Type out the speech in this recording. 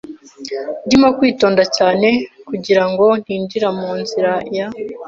Ndimo kwitonda cyane kugirango ntinjira mu nzira ya .